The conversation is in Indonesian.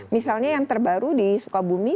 misalnya yang terbaru di sukabumi